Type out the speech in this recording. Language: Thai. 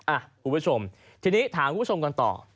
คุณผู้ชมทีนี้ถามคุณผู้ชมกันต่อ